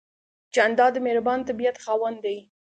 جانداد د مهربان طبیعت خاوند دی.